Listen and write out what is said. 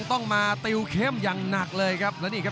กรรมการเตือนทั้งคู่ครับ๖๖กิโลกรัม